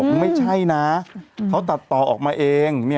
ไม่ใช่นะเขาตัดต่อออกมาเอง